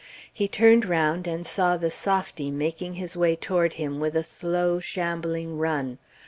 He turned round and saw the softy making his way toward him with a slow, shambling run.